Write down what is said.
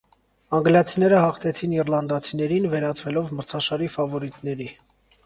Անգլիացիները հաղթեցին իռլանդացիներին՝ վերածվելով մրցաշարի ֆավորիտների։